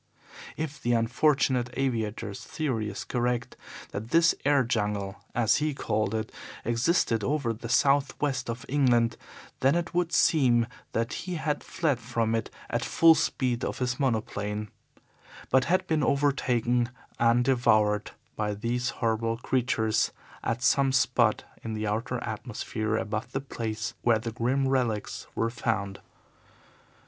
If the unfortunate aviator's theory is correct that this air jungle, as he called it, existed only over the south west of England, then it would seem that he had fled from it at the full speed of his monoplane, but had been overtaken and devoured by these horrible creatures at some spot in the outer atmosphere above the place where the grim relics were found.